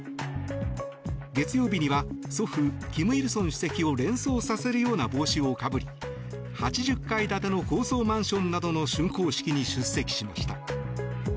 月曜日には、祖父・金日成主席を連想させるような帽子をかぶり、８０階建ての高層マンションなどの竣工式に出席しました。